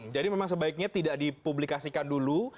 jadi memang sebaiknya tidak dipublikasikan dulu